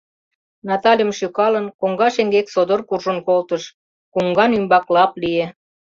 Наталем шӱкалын, коҥга шеҥгек содор куржын колтыш, куҥган ӱмбак лап лие.